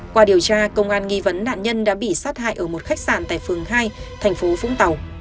qua điều tra công an nghi vấn nạn nhân đã bị sát hại ở một khách sạn tại phường hai thành phố vũng tàu